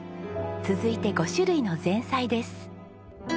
続いて５種類の前菜です。